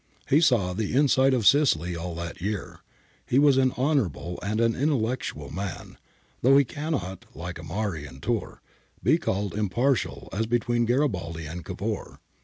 He saw the inside of Sicily all that year • he was an honourable and an intellectual man, though he cannot like Amari and Turr, be called impartial as between Garibaldi and Cavour.